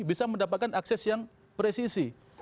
bisa mendapatkan akses yang presisi